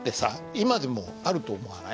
今でもあると思わない？